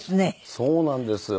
そうなんですよ